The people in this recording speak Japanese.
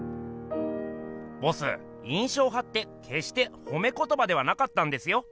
ボス「印象派」ってけっしてほめことばではなかったんですよ。